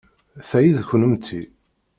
Ta i kennemti.